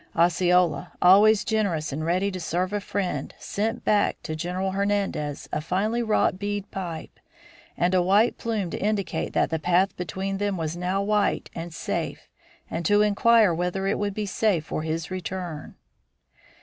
Osceola, always generous and ready to serve a friend, sent back to General Hernandez a finely wrought bead pipe and a white plume to indicate that the path between them was now white and safe and to inquire whether it would be safe for his return.